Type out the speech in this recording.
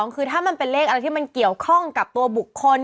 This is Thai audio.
คือถ้ามันเป็นเลขอะไรที่มันเกี่ยวข้องกับตัวบุคคล